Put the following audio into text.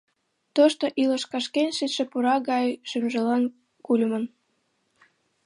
Тошто илыш кашкен шичше пура гай шӱмжылан кульымын.